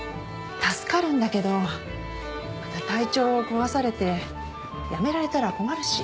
助かるんだけどまた体調を壊されて辞められたら困るし。